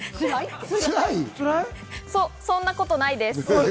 そんなことないです。